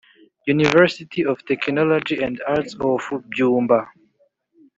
University of Technology and Arts of Byumba